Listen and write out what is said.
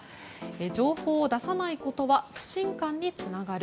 情報を出さないことは不信感につながる。